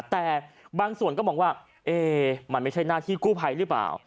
แต่บางส่วนก็มองว่ามันไม่ใช่หน้าที่กู้ภัยหรือเปล่า